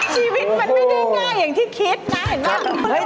ชีวิตมันไม่ได้ง่ายอย่างที่คิดนะเห็นไหม